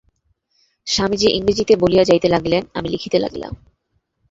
স্বামীজী ইংরেজীতে বলিয়া যাইতে লাগিলেন, আমি লিখিতে লাগিলাম।